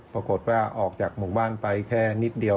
ปรากฏว่าออกจากหมู่บ้านไปแค่นิดเดียว